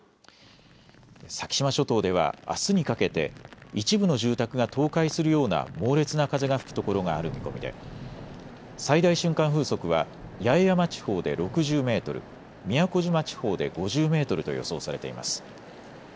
先島諸島ではあすにかけて一部の住宅が倒壊するような猛烈な風が吹くところがある見込みで、最大瞬間風速は八重山地方で６０メートル、宮古島地方で５０メートルと予想されています。